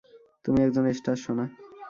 তুমি একজন স্টার, সোনা।